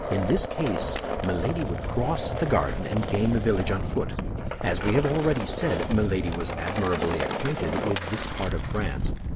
In this case Milady would cross the garden and gain the village on foot. As we have already said, Milady was admirably acquainted with this part of France.